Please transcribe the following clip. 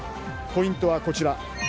ポイントはこちら。